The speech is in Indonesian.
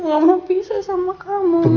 gak mau pisah sama kamu